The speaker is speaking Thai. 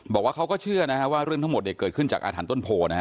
บอกว่าเขาก็เชื่อว่าเรื่องทั้งหมดจะเกิดขึ้นจากอาธารณ์ต้นโพ